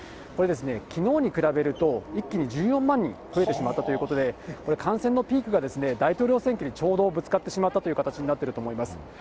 これですね、きのうに比べると、一気に１４万人増えてしまったということで、これ、感染のピークが大統領選挙にちょうどぶつかってしまったという形になってしまったと思います。